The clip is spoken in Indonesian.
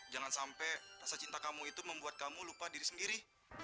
jangan sampai rasa cinta kamu itu membuat kamu lupa diri sendiri